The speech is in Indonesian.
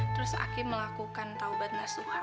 terus aki melakukan taubat nasuhan